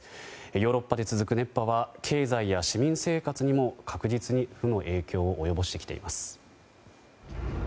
ヨーロッパで続く熱波は経済や市民生活にも確実に負の影響を及ぼしてきています。